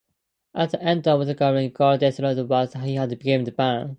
At the end of the parable God destroys what he had given the man.